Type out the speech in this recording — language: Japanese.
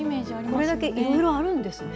これだけいろいろあるんですね。